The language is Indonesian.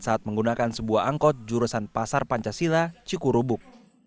saat menggunakan sebuah angkot jurusan pasar pancasila cikurubuk